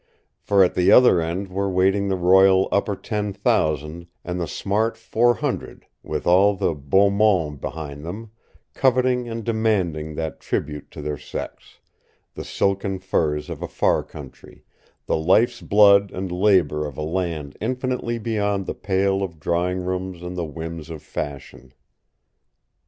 For at the other end were waiting the royal Upper Ten Thousand and the smart Four Hundred with all the beau monde behind them, coveting and demanding that tribute to their sex the silken furs of a far country, the life's blood and labor of a land infinitely beyond the pale of drawing rooms and the whims of fashion.